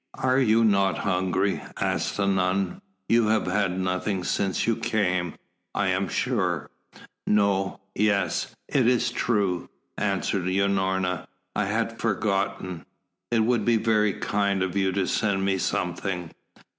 "Are you not hungry?" asked the nun. "You have had nothing since you came, I am sure." "No yes it is true," answered Unorna. "I had forgotten. It would be very kind of you to send me something."